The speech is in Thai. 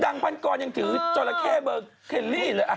ดังพรรฟ์กรยังถือจรแค่เบอร์เครลีเลย